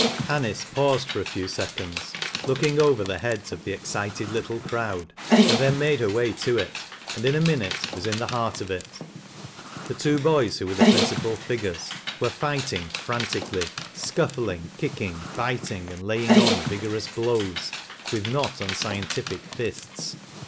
Anice paused for a few seconds, looking over the heads of the excited little crowd, and then made her way to it, and in a minute was in the heart of it. The two boys who were the principal ligures, were fighting frantically, scuffling, kicking, biting and laying on vigorous blows, with not unscientific fists.